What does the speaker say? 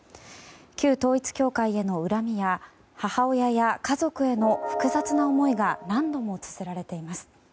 旧統一教会への恨みや母親や家族への複雑な思いが何度もつづられています。